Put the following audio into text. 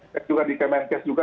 juga di kemenkes juga